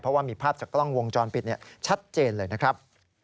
เพราะว่ามีภาพจากกล้องวงจรปิดชัดเจนเลยนะครับ